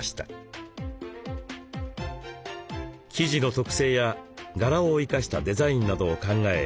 生地の特性や柄を生かしたデザインなどを考え